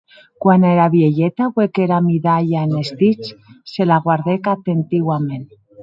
Quan era vielheta auec era midalha enes dits, se la guardèc atentiuament.